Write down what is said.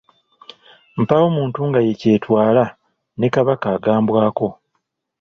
Mpaawo muntu nga ye kyetwala ne Kabaka agambwako.